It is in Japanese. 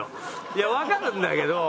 いやわかるんだけど。